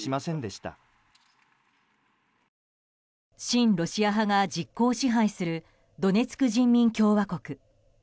親ロシア派が実効支配するドネツク人民共和国。